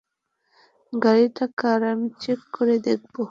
গাড়িটা কার আমি চেক করে দেখব।